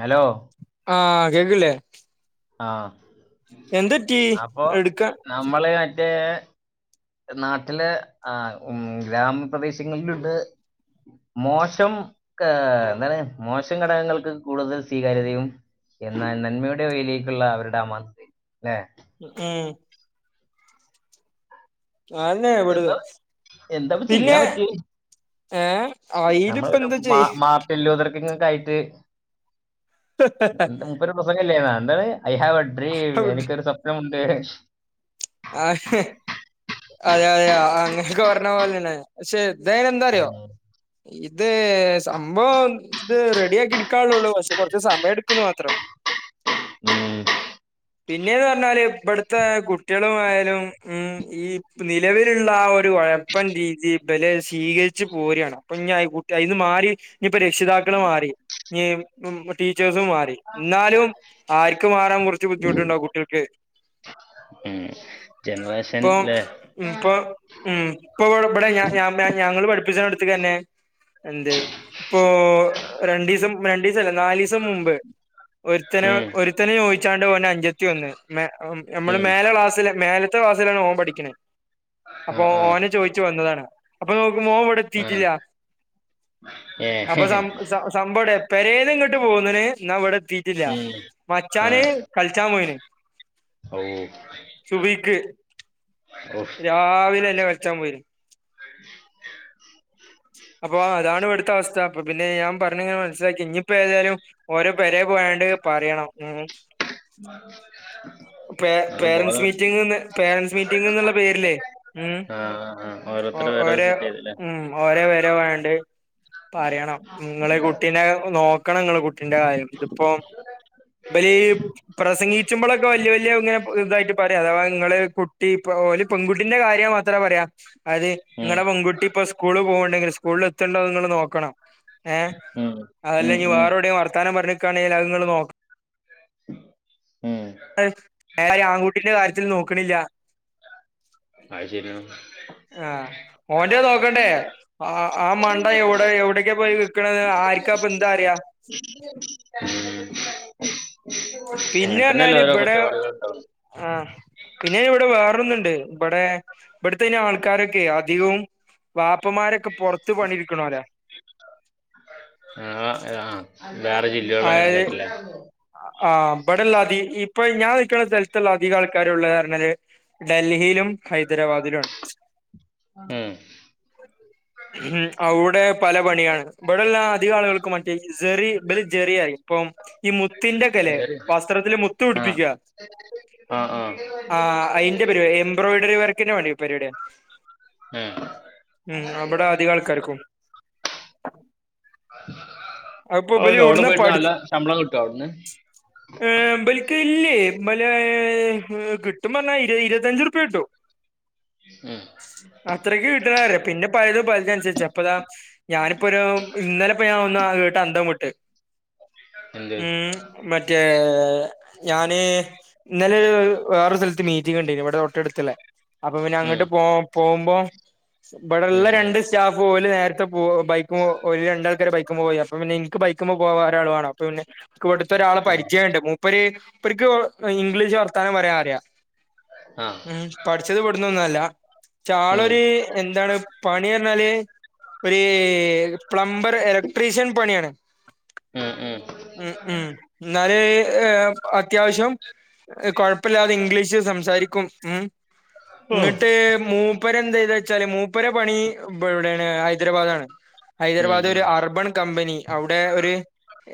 Hello ആഹ് കേക്കണില്ലേ ആ എന്തറ്റി അപ്പൊ എടുക്കാൻ നമ്മള് മറ്റേ നാട്ടിലെ ആ ഉ ഗ്രാമപ്രദേശങ്ങളിലുണ്ട് മോശം ഏ എന്താണ് മോശം ഘടകങ്ങൾക്ക് കൂടുതൽ സ്വീകാര്യതയും എന്നാ നന്മയുടെ വയിലേക്കുള്ള അവരുടെ ആ മ ല്ലെ ഉം അന്നേ എന്താ എന്താപ്പ ചെയ്യാൻ പറ്റിയ? ഏ നമ്മൾ വല്ല മാ മാട്ടല്ലോതർക്ക ആയിട്ട് ഒരു പ്രസംഗം ഇല്ലാരുന്നോ എന്ത ഐ ഹാവ് അ ഡ്രീം എനിക്കൊരു സ്വപ്നംുണ്ട് ആ അ യ യ അങ്ങനെയൊക്കെ പറഞ്ഞ പോലതന്ന പക്ഷേ ഇതായിനേന്ദറിയോ ഇത് സംഭവം ഇത് റെഡി ആക്കി ഇടുക്കുള്ളള്ളൂ പക്ഷെ കൊറച്ച് സമയം എടുക്കുന്നു മാത്രം. ഉം പിന്നേന്ന് പറഞ്ഞാല് ഇപ്പടത്തെ കുട്ടികള ആയാലും ഉം ഈ പം നിലവിലുള്ള ഒരു ഒഴപ്പൻ രീതി ബെൽ സ്വീകരിച്ചു പോരാണ് അപ്പൊ ഞ അ അയ്ന്ന് മാറി ഇനി ഇപ്പോ രക്ഷിതാക്കൾ കട്ട് മാറി ഞ പ ടീച്ചേഴ്‌സും മാറി ന്നാലും അ ക്ക് മാറൻ കുറച്ച് ബുദ്ധിമുണ്ടാവും കുട്ടിൾക്ക് ഉം ഇപ്പം ജനറേഷൻല്ലേ ഉം പ്പ ഉം പ്പ വ ബഡേ ഞ ഞങ്ങള്ൾ പഠിപ്പിച്ചടുത്തക്ക് തന്നെ എന്ത് പ്പൊ രണ്ടിസം രണ്ടിസല്ല നാലിസം മുമ്പ് ഒരുത്തന് ഉം, ഒരുത്തന ചോയിച്ചാണ്ട് ഓൻ്റെ അഞ്ചത്തി വന്ന് നമ്മള് ഉം. മേല ക്ലാസ് തൽ മേലത്തെ ക്ലാസിലാണ് ഓൻ പഠിക്കണേ ആ അപ്പൊ ആ ഓനെ ചോയിിച്ചു വന്നതാണ് അപ്പൊ നോക്കുമ്പോ ഓൻ ഇവിടെ ആ എത്തിീട്ടില്ല ഏ അപ്പ സാം സ സാംബടെപെരേന്ന് ഇങ്ങട്ട് പൊന്ന്ൺ ന്ന വെഡേഎത്തിീട്ടില്ല ഉം. ആ മച്ചാന് കളിച്ചാൻ പോയിന് ഓ ചോയിക്ക് ഓഫ് രാവിലെന്നേ കളിച്ചാൻ പോയി അപ്പൊ അതാണ് ഇവിടുത്തെ അവസ്ഥ അപ്പൊ പിന്നെ ഞാൻ പറഞ്ഞങ്ങനെ മനസിലാക്കി ഇനിപ്പം ഏതായാലും ഓര പേരെ പോയണ്ട് പറയണം ഉ [unintelligible] പ നമുക്ക് പേരന്സ് ബോധം മീറ്റിംഗന്ന് പേരൻറ്സ് മീറ്റിംഗന്നുള്ള പേരിലെ ഉ ആ ആ ഓ ഓരോരുത്തർ വേറെ ഓരോ സെറ്റ് ചെയ്തല്ലേ ഉം ഓരേ വരെ വേണ്ട് പറയണം നിങ്ങള് കുട്ടീനെ നോക്കണം ഇങ്ങള് കുട്ടീന്റെ കാര്യം ഇതിപ്പോ ബാര് ഈ പ്രസംഗിച്ചുമ്പോളൊ വലിയ വലിയ ഇങ്ങനെ ഇതായിട്ട് പറയാം അഥവാ നിങ്ങള് കുട്ടി പെകുട്ടിന്റെ കാര്യം മത്രം പറയാ അര് ഉം ഇങ്ങളെ പെങ്കുട്ടി പ്പോ സ്കൂള് പോവണ്ടെങ്കില്, സ്കൂളിൽ എത്ത്ണ്ടോന്ന് ങ്ങള് നോക്കണം ഏ.... ഉം അതല്ല ഉം ഞ്ഞി ഉം വേറെ എവ്ടേലും വർത്താനം പറഞ്ക്കാണെങ്കി അതൂങ്ങള് നോക ഉം ഏഹ്.. [unintelligible] ആങ്കുട്ടീന്റെ കാര്യത്തിൽ നോക്ക്ണില്ല അയ്ശരിയാ ആഹ, ഓന്റെ നോക്കണ്ടേ..... ആ... ആ മണ്ടൻ യെവ്ടെ യെവ്ട്ക്കാ പോയി നിക്ക്ണേന്ന് ആര്ക്കാ പ്പൊ ന്താ അറിയാ [unintelligible] അങ്ങനെ പിന്നെ തന്നെയല്ലേ പറഞ്ഞാല് ഓരോ ബടെ... കുറ്റവാളികൾ ഉണ്ടാവും ആഹ്.... പിന്നേ വ്ടെ വേറൊന്ന്ണ്ട് ബ്ടേ ബ്ടതൈന് ആൾക്കാരൊക്കെയ് അധികവും വാപ്പമാരൊക്കെ പുറത്ത് പണിട്ക്ക്ണോരാ ആ ആഹ് വേറെ ജില്ലളങ്ങനെ കയറ്റിലെ? ആ് ബ്ടെ ള്ള അധി...... ഇപ്പൊ ഞാൻ നിക്കണ സ്ഥലത്ത്ള്ള അധിക ആൾക്കാരുള്ളത് പറഞ്ഞാല് ഡൽഹിലും ഹൈദരാബാദിലാണ്. മം.... ഉം അവ്ടെ പല പണിയാണ്. ബ്ടെള്ള അധിക ആള്കൾക്കും മറ്റേ..... സെറിൻ ബല് ജെറിയായി. ഇപം ഈ മുത്തിന്റക്കെല്ലേ ശരി വസ്ത്രത്തില് മുത്ത് പിടിപ്പിക്കാ. ആഹ്.... ആഹ്... ആഹ്..... അയ്ന്റെ പരിപാടി. എംബ്രോയിഡറി വർക്കിന്റെ പണി പെര്പാടിയ. ഏഹ്. ഉം ബ്ടെ ആധികം ആൾക്കാർക്കും. അഹ്പ്പൊ ഓ, ബല് ഇത് അവിടെ എവുട്ന്നാ പോയിട്ട് നല്ല പഡ്ച് ശമ്പളം കിട്ടോ അവ്ട്ന്ന്? ഏഹ് ബൽക്ക് ഇല്ലേ ബലേ.......... കിട്ടുമ്പന്നാ പറഞ്ഞാ ഇരുവ ഇരുവത്തഞ്ച് ർപ്യ കിട്ടും. ആഹ്. അത്രക്ക് കിട്ട്ണ് പറയാ. പിന്നെ പൽതും പല്തന്സരിചാ പ്പതാ ഞാനിപ്പൊരു, ഇന്നലെപ്പൊ ഞാൻ ഒന്ന് അഹ് കേട്ട് അന്തം വിട്ട്..... എന്ത് ഉം. മറ്റേ......... ഞാന്......... ഇന്നലെ വേറൊര് സ്ഥലത്ത് മീറ്റിങ് ണ്ടേര്ന്ന്, ഇവടെ തോട്ടട്ത്ത്ള്ളെ. അപ്പൊ പിന്നെ ഉം അങ്ങട്ട് പോ... പോവ്മ്പോ- ബടെ ഉം ള്ള രണ്ട് ഉം സ്റ്റാഫ്‌ ഓല് നേർത്തെ പോ... ബൈക്കുമ്മ ഓല് രണ്ടാൾക്കാര് ബൈക്കുമ്മ പോയി അപ്പൊ പിന്നെ ഇൻക് ബൈ- ക്കുമ്മ പോവാൻ ഒരാള് വാണം. പ്പൊ പിന്നെ ക്ക് ബടെ ത്തൊരാളെ ഉം. പരിചയണ്ട്. മൂപ്പര് പ്പർക്ക് ഇംഗ്ലീഷ് വർത്താനം പറയാൻ അറിയാ. ആ ഉം..... പഠിച്ചത് ബട്ന്നൊന്നല്ല. ഉം ആളൊര്..... എന്താണ് പണി പറഞ്ഞാല്. ഒര്...... പ്ലംബർ.. എലക്ട്രീഷ്യൻ പണിയാണ് മം ഉം മം. ഉം... ന്നാല്... ഏഹ്... അത്യാവശ്യം. കൊഴപ്പല്ലാതെ ഇംഗ്ലീഷ് സംസാരിക്കും ഉം........ ഓ ഇങ്ങട്ട് മൂപ്പരെന്താതെയ്ചാല് മൂപ്പര പണി പ്പ എവ്ടാണ്...... ഹൈദരാബാദാണ്. ഉം ഹൈദരാബാദ് ഉം ഒരു അർബൻ കമ്പനി. അവ്ടെ ഒരു..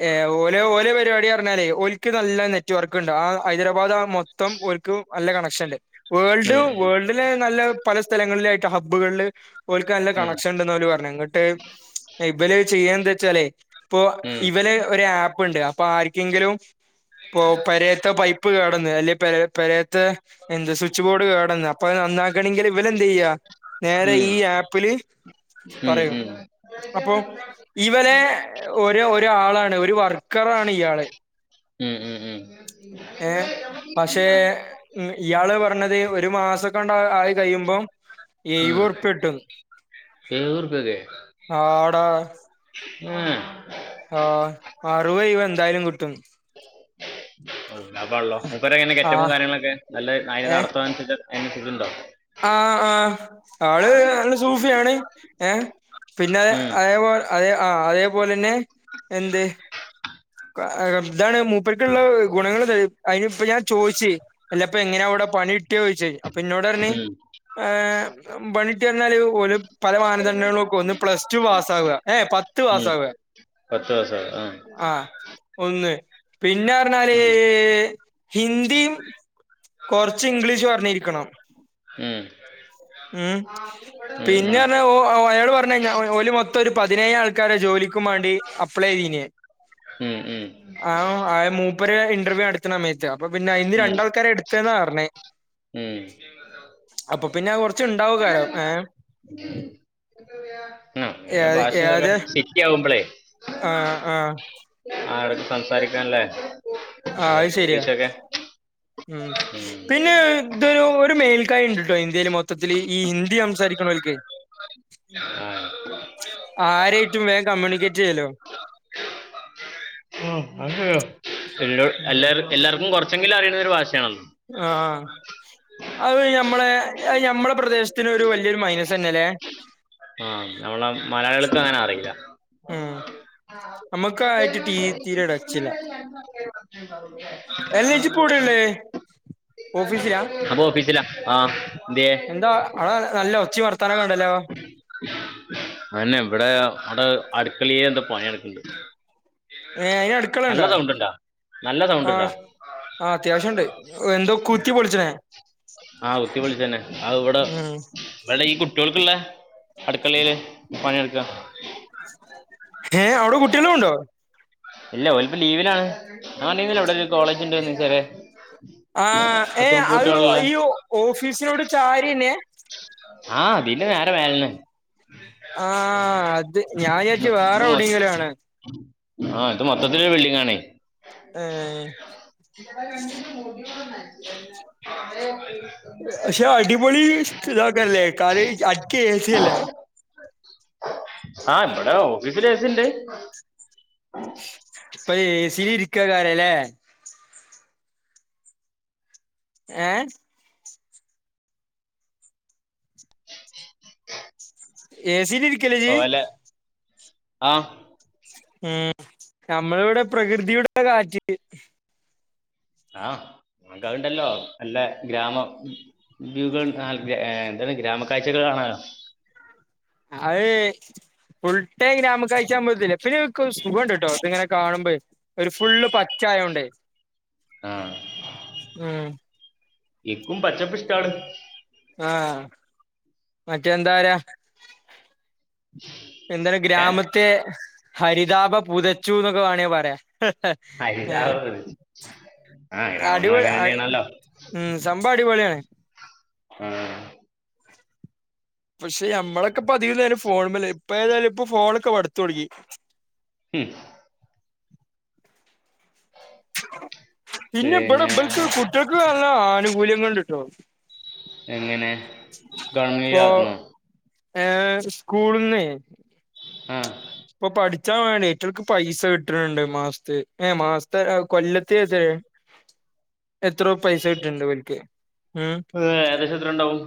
ഏഹ് ഓല് ഓലെ - പരിപാടി പറഞ്ഞാലേ ഓൽക്ക് നല്ല നെറ്റ്‌വർക്ക്ണ്ട് ആ... ഹൈദരാബാദ് ആ... മൊത്തം ഓൽക്കും നല്ല കണക്ഷൻ ണ്ട്. ഉം വേൾഡും ഉം വേൾഡിലെ നല്ല പല സ്ഥലങ്ങളിലായിട്ടാ ഹബ്ബുകൾല് ഓൽക്ക് നല്ല കണക്ഷൻ ണ്ട്ന്നാ ഓല് പറഞ്ഞ ന്ന്ട്ട്. ബല് ചെയ്യന്താച്ചാലേ, പ്പൊ ഇവലെ ഒരു ആപ്പ് ണ്ട്. പ്പൊ.. ആർക്കെങ്കിലും പ്പൊ.. പെരേത്തെ പൈപ്പ് കേടന്ന്, അല്ലെ പെരേ.. പെരേത്തെ എന്താ സ്വിച്ച് ബോഡ് കേടന്ന് അപ്പൊ അഹ് നന്നാക്കണെങ്കി ഇവലെന്തായ്യാ? നേരെ ഈ ആപ്പില് പറയും. അപ്പൊ ഇവനെ ഒരു ഒരാളാണ് ഒരു വർക്ക് കറാണ് ഇയാള്. മം മം മം ഏഹ് പക്ഷേ മം ഇയാള് പറഞ്ഞത്. ഒരു മാസംക്കണ്ട് ആയി കയ്യുംമ്പം ഏഴിവെ രുപോയ എഴുവോർപ്യയൊക്കെ ആഡാ. മം ആഹ്. അറുവെ ഇഴുവെ എന്തായാലും കിട്ടുംന്ന്. ഉം അപ്പ ഉള്ളോ മുപ്പരെങ്ങനെ ക ആ ഗെറ്റപ്പും കാര്യങ്ങളൊക്കെ നല്ല ആയ ഏഹ് നടത്തുംഅതിനനുസരിച്ച് അതിനനുസ ഇത്ണ്ടോ ആഹ് ആഹ് ആള് നല്ല സൂഫിയാണ് ഏ പിന്നെ ഉം അതേപോ അതേ ആ അതേപോലെന്നെ എന്ത് അ അ ഇതാണ് മൂപ്പര്ക്കുള്ള ഗുണങ്ങൾ ഇത അയിനിപ്പ ഞാൻ ചോയിച്ച് എല്ലപ്പൊ എങ്ങനെ അവടെ പണി കിട്ടിയോയ്ച് അപ്പ ഇന്നോടറഞ്ഞ് ഉം ഏ പണിട്ടി വന്നാല് ഓല് പല മാനദണ്ഡളും വെക്കും ഒന്ന് പ്ലസ്ടു പാസ്സാവ ഏ ഏ പത്ത് ഉം പാസ്സാവ [inaudible] പത്ത് പാസ്സാവ ഏം ആ ഒന്ന് പിന്നെറഞ്ഞാല് ഉം ഹിന്ദിയും കൊറ്ച്ച് ഇംഗ്ലീഷും അറിഞ്ഞിരിക്കണം ഉം ഉം ആഹു പിന്നെ പറഞ്ഞാ ഓ ഓ അയാള് പറഞ്ഞെഴിഞ്ഞ ഓ ഓല് മൊത്തം ഒരു പതിനേഴ് ആൾക്കാരെ ജോലിക്കും മാണ്ടി അപ്പ്ളെ യെയ്തീനെ ഉം ഉം ആവും ആ മൂപ്പര് ഇന്റർവ്യൂ നടത്ത്ണ സമയത്ത് അപ്പൊ പിന്നെ അയീന്ന് ഉം ഉം രണ്ടാൾക്കാരെ എടുത്ത്ന്നാ പറ്ണേ ഉം അപ്പൊ പിന്നെ അത് കൊറച്ചുണ്ടാവും കാലം ഏ [unintelligible] [unintelligible] ഉം ഏത് ഏത് ആഹ് ആഹ് [unintelligible] സംസാരിക്കാ ല്ലെ ആഹ് അത് ശരിയാ ഉം പിന്നെ ഇതൊരു ഒരു മേൽക്കായ ഇണ്ട്ട്ടോ ഇന്ത്യോല് മൊത്തത്തില് ഈ ഹിന്ദി സംസാരിക്കണോൽക്കെ [unintelligible] ആരേറ്റും വേം കമ്മ്യൂണിക്കേറ്റ് ചെയ്യുല്ലോ ആ അത് ശരിയാ എല്ലോ ഉം എല്ലാർ എല്ലാർക്കും കൊറച്ചെങ്കിലും അറിയുന്ന ഒരു ഭാഷയാണ്ല്ലോ ആ അത് ഞ്ഞമ്മളെ അത് ഞമ്മളെ പ്രദേശ്ത്തിന് ഒരു വല്യയൊരു മൈനസ് തന്നെ ലെ ഞ്ഞമ്മളം മലയാളികൾക്ക് അങ്ങനെ അറീല്ല ഉം നമ്മക്കായിട്ട് തീ തീരെടച്ചില്ല [unintelligible] എല്ല ഇജി പ്പൊ എവുടേ ള്ളേ ഓഫീസിലാ ഉം ഞാപ്പൊ ഓഫീസിലാ ആ ന്ത്യേ എന്താ ആ നല്ല ഒച്ചിം വർത്താനൊക്കെ ഉണ്ടല്ലോ അതന്നെ ഇവിടെ അവിടെ അടുക്കളീല് എന്തോ പണി നടക്ക്ണ്ട് ഏ അയിന് അട്ക്കള ഇണ്ടാ ഉണ്ടാ നല്ല സൗണ്ട് ഉണ്ടാ ആഹ് ആ അത്യാവശ്യം ഇണ്ട് വെന്തോ കുത്തി പൊളിച്ച്ണേ ആഹ് കുത്തി പൊളിച്ചന്നെ അത് ഇവടെ ഉം ഇവടെ ഈ കുട്ട്യോൾക്കുള്ള അടുക്കളേല് പണി നടക്കാ ഹേ ആവ്ടെ കുട്ടിയോളുണ്ടോ ഇല്ല ഒലിപ്പം ലീവിലാണ് ആറ്റിങ്ങലിലുള്ളൊരു കോളേജില്- ആഹ് പത്ത് ഏഹ് മുപ്പത് അഹ് കുട്ടികളുള്ള ഈ ഓഫീസിനോട് ചാരിയന്നെ? ആ ഇതിന്റെ നേരെ മേലേന്നെ ആഹാ അത് ഞാവിചാരിച്ച് വേറൊടെങ്കിലാണ്ന്ന് ആഹ് ഇത് മൊത്തത്തിലൊരു ബിൽഡിങ്ങാണേ ഏ [unintelligible] പക്ഷെ അടിപൊളി ഇതാക്കാരലേ? കാടേയി അക്കെ ഏസിയല്ലേ? ആഹ് ഇന്പടെ ഓഫീസിലേസിണ്ട് ഇപ്പൊ ഏസിലിര്ക്കെക്കാരലേ? ഏഹേ? ഏസിലിരി ഓലെ ആഹ് മ് ഞ്ഞമ്മള്വ്ടെ പ്രകൃതിയുടെ കാറ്റ് ആഹ് ഇങ്ങക്കതുണ്ടല്ലോ നല്ല ഗ്രാമം [unintelligible] ഏഹ് എന്താണ് ഗ്രാമ കാഴ്ചകൾ കാണാനോ? അഹ് ഫുൾടൈം ഗ്രാമ കാഴ്ചാകുമ്പോത്തിനെ പിന്നൊര്ക്കൊരു സുഖണ്ട്ട്ടോ ഇത്ങ്ങനെ കാണുമ്പേ ഒരു ഫുള്ള് പച്ചായോണ്ടെ ആഹ് ഉംഹ് ഇക്കും പച്ചപ്പ്ഷ്ടാണ് ആഹ് മറ്റേന്താറിയാ? എന്താണ് ഏ ഗ്രാമത്തെ ഹരിതാപ പുതച്ചുന്നൊക്കെ വേണേ പറയാ ഏഹ് ഹരിതാവ് പ്രദേശം. ആ ഗ്രാമങ്ങൾ അടിപൊളി അങ്ങനെ അടി തന്നെയാണല്ലോ മ് സംഭവടിപൊളിയാണ് മ് പക്ഷെ ഞമ്മളൊക്കെ ഇപ്പധികനേരും ഫോണുമ്മല് ഇപ്പേതായാലും ഇപ്പ ഫോണൊക്കെ മടുത്തൊടങ്ങി. മ് പിന്നെ ഇബടെ ഇബൽക്ക് കുട്ട്യാൾക്ക് നല്ല ആനുകൂല്യങ്ങള്ണ്ട്ട്ടോ എങ്ങനെ? ഗവൺമെന്റ് ഇപ്പൊ ആകുന്നു ഏഹേ സ്കൂള്ന്നെ ആഹ് ഇപ്പൊ പഠിച്ചാ വേണെ ഇറ്റൾക് പൈസ കിട്ട്ണ്ണ്ണ്ട് മാസ്ത്ത് ഏ മാസത്തെ കൊല്ലത്ത്ലെറ്റെ എത്രോ പൈസ കിട്ട്ണ്ട് ഇവൽക്ക് മ് ഏഹ് ഏകദേശെത്രണ്ടാവും?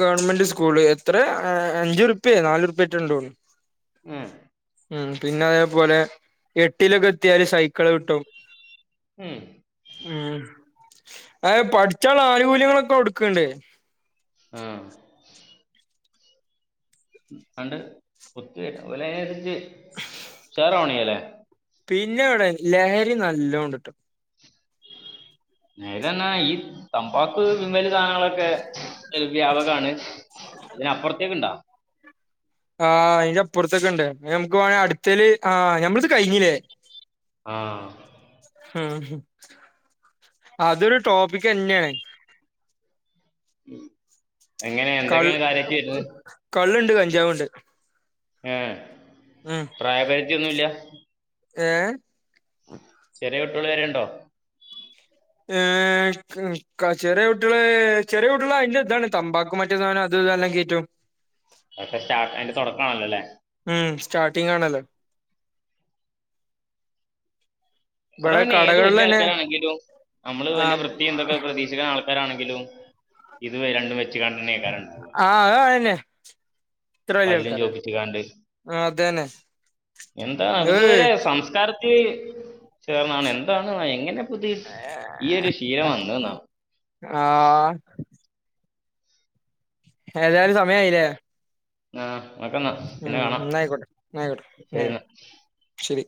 ഗവൺമെന്റ് സ്കൂള് എത്രെ ഏഹേ അഞ്ചുർപ്യേ നാലുറുപ്യാന്റെ ഇണ്ടൊന്നുണ് ഉം. മ് പിന്നെ അതേപോലെ എട്ടിലൊക്കെ എത്തിയാല് സൈക്കള് ക്‌ട്ടും മ് മ് ഏഹ് പഠിച്ചാള്ള ആനുകൂല്യങ്ങളൊക്കെ കൊട്ക്ക്ണ്ട് ആഹ് [unintelligible] [unintelligible] ഓലയ്നൻസര്ച്ച് [unintelligible] പണിയല്ലെ? പിന്നവ്ടെ ലഹരി നല്ലോണ്ട്ട്ടോ നേരർഞ്ഞാ ഈ തമ്പാക്ക് തിന്നേല് സാധനങ്ങളൊക്കെ [unintelligible] വ്യാപകമാണ് അതിനപ്പർത്തേക്ണ്ടോ? ആഹ് അയിന്റെപ്പർത്ത്ക്ക്ണ്ട് ഞമക്ക് വാണേ അട്ത്തേല് ആഹ് ഞമ്മൾത് കഴിഞ്ഞിലേ? ആഹ് ഇംഹ് അതൊരു ടോപ്പിക്കന്നേണ് ഉം എങ്ങനെ. എന്തൊക്കെ ഇങ്ങള് കാര്യായിട്ട് ചെയ്തത് കള്ള്ണ്ട്. കഞ്ചാവ്ണ്ട് ഏഹ് പ്രായപരിധിയൊന്നുല്ല്യ ഏഹ് ചെറ്യേ കുട്ട്യോള് വരെ. ഉണ്ടോ ഏഹ് ക്. ക. ചെറ്യേട്ട്യോള്. ചെറ്യേട്ട്യോള്. അതിന്റെ ഇതാണ് തമ്പാക്കും. മ [unintelligible] അത് ഇതെല്ലാം കേറ്റും അട്ട. സ്റ്റാർട്ട് അയിന്റെ തൊടക്കാണ്ല്ലോ ല്ലെ മ്മ്. സ്റ്റാർട്ടിംഗ് ആണ് ല്ലെ അത്. ഇവിടെ പിന്നെ ഏത് കടകളിൽ വല്ല്യ തന്നെ ആൾക്കാരാണെങ്കിലും നമ്മള് ആ വല്ല്യ വൃത്തിയും. ഇതൊക്കെ. പ്രതീഷ് ആൾക്കാരാണെങ്കിലും, ഇത്. രണ്ടും. വെച്ണ്ടായിരിക്കും ആ. അഹ് അഹന്നെ പല്ലും ചോപ്പിച്കാണ്ട്. ആ അതന്നെ എന്താ ഏയ് ഇതുവരെ സംസ്കാര റ്റ്. ചേർന്നാണ്. എന്താണു. എങ്ങനെ പുതിയ ഈ ഒരു ശീലം വന്നതെന്നാ ഏ ആഹ ഏതായാലും. സമയായിലേ ആ, ഓക്കന്നാ. പിന്നെ. കാണാം എന്നായിക്കോട്ടെ ശരിന്നാ ശെരി